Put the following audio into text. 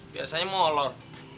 biasanya mau olor